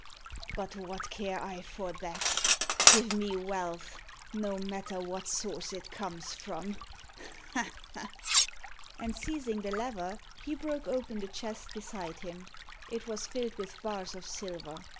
But what care I for that? Give me wealth no matter what source it comes from! ha! ha!" And seizing the lever, he broke open the chest beside him. It was filled with bars of silver.